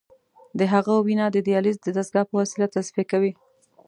د هغه وینه د دیالیز د دستګاه په وسیله تصفیه کوي.